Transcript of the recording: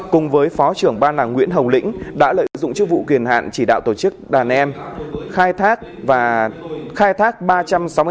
cùng với phó trưởng ban là nguyễn hồng lĩnh đã lợi dụng chức vụ quyền hạn chỉ đạo tổ chức đàn em khai thác ba trăm linh triệu đồng